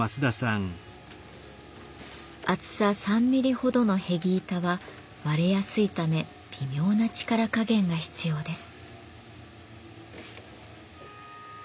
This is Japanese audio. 厚さ３ミリほどのへぎ板は割れやすいため微妙な力加減が必要です。